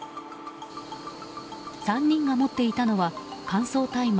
３人が持っていたのは乾燥大麻